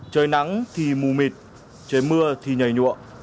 chơi nắng thì mù mịt chơi mưa thì nhảy nhuộm